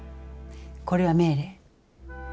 これは命令。